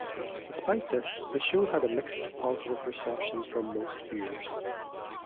Despite this, the show had a mixed to positive reception from most viewers.